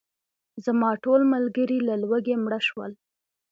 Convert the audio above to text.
زما ټول ملګري له لوږې مړه شول.